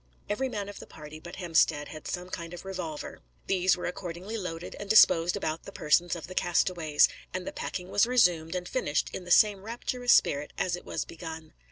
Every man of the party but Hemstead had some kind of a revolver; these were accordingly loaded and disposed about the persons of the castaways, and the packing was resumed and finished in the same rapturous spirit as it was begun.